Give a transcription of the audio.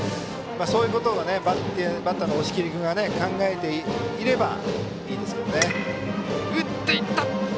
そういうことをバッターの押切君が考えていればいいですけどね。